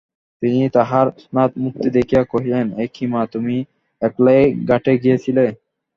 তিনি তাহার স্নাতমূর্তি দেখিয়া কহিলেন, একি মা, তুমি একলাই ঘাটে গিয়াছিলে?